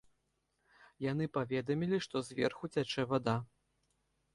Яны паведамілі, што зверху цячэ вада.